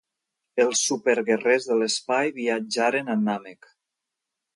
Els superguerrers de l'espai viatjaren a Nàmek.